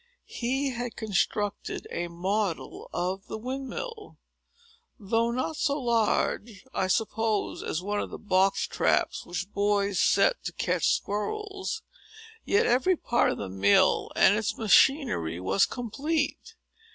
He had constructed a model of the windmill. Though not so large, I suppose as one of the box traps which boys set to catch squirrels, yet every part of the mill and its machinery was complete.